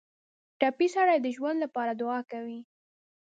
ټپي سړی د ژوند لپاره دعا کوي.